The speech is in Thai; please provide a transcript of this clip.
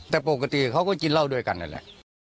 แต่ปกติเขาก็กินเหล้าด้วยกันนั่นแหละ